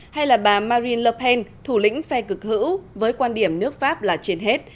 hay là bà marine le penn thủ lĩnh phe cực hữu với quan điểm nước pháp là trên hết